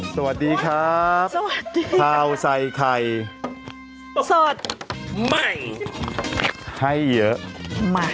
สวัสดีครับสวัสดีข้าวใส่ไข่สดใหม่ให้เยอะมา